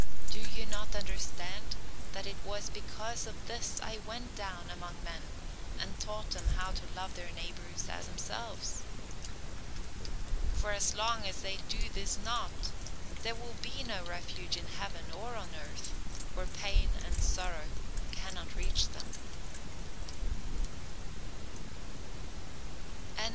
"Do you not understand that it was because of this I went down among men and taught them to love their neighbors as themselves? For as long as they do this not, there will be no refuge in heaven or on earth where pain and sorrow cannot reach them."